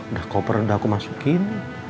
udah koper udah aku masukin